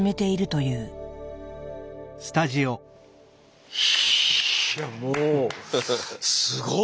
いやもうすごい！